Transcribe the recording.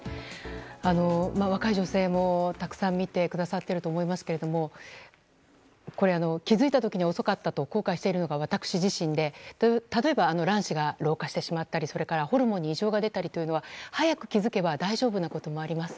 若い女性もたくさん見てくださっていると思いますが気づいた時に遅かったと後悔しているのが私自身で例えば卵子が老化してしまったりそれからホルモンに異常が出たりというのは早く気づけば大丈夫なこともあります。